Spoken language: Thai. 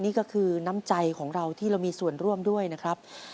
นี่ก็คือน้ำใจของเราที่เรามีส่วนร่วมด้วยนะครับ